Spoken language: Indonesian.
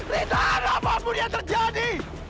ritahan apapun yang terjadi